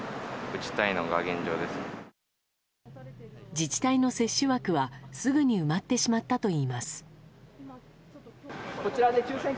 自治体の接種枠は、すぐに埋まってしまったといいます。